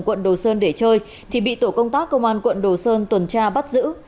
quận đồ sơn tuần tra bắt giữ